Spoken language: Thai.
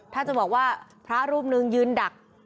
ถ้าจะบอกว่าพระรูปหนึ่งยืนดัก